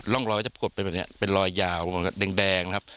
ร่องรอยจะกดเป็นแบบนี้เป็นรอยยาวแดงนะครับ